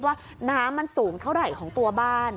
ว่าน้ำมันสูงเท่าไหร่ของตัวบ้าน